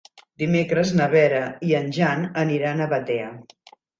Dimecres na Vera i en Jan aniran a Batea.